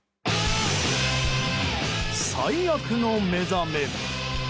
最悪の目覚め。